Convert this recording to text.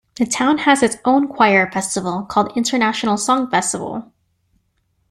The town has its own choir festival called international song festival.